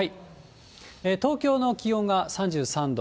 東京の気温が３３度。